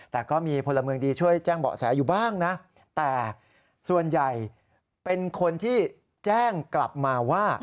แต่ก็มีพลเมืองดีช่วยแจ้งเบาะแสอยู่บ้างนะแต่ส่วนใหญ่เป็นคนที่แจ้งกลับมาว่า